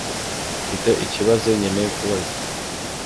Mfite ikibazo nkeneye kubaza .